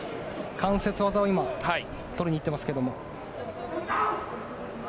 関節技を今取りにいってますけども。